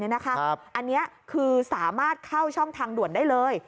อันนี้คือสามารถเข้าช่องทางด่วนได้เลย